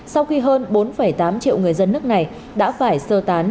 sau khi hơn bốn tám triệu người dân nước này đã phải sơ tán